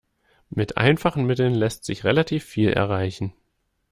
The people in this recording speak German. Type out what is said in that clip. Mit einfachen Mitteln lässt sich relativ viel erreichen.